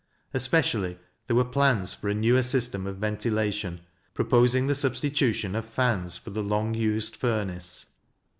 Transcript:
Especially, there were plans for a newer system of ventilation — proposing the substitution of fans for the long used furnace.